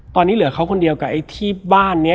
ตอนนี้เหลือเขาคนเดียวกับไอ้ที่บ้านนี้